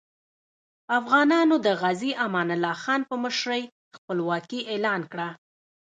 افغانانو د غازي امان الله خان په مشرۍ خپلواکي اعلان کړه.